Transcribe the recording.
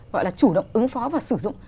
gọi là chủ động ứng phó và sử dụng